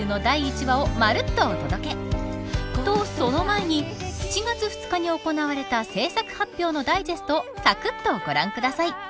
［とその前に７月２日に行われた制作発表のダイジェストをさくっとご覧ください］